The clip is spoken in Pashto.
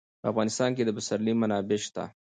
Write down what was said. په افغانستان کې د پسرلی منابع شته.